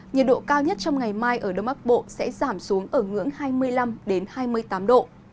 nhiệt độ cao nhất trong ngày mai ở đông bắc bộ sẽ giảm xuống ở ngưỡng hai mươi năm hai mươi tám độ